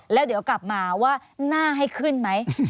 แล้วเดี๋ยวกลับมาว่าหน้าให้ขึ้นไหม